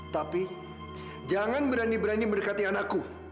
tapi jangan berani berani mendekati anakku